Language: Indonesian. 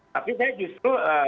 tapi saya justru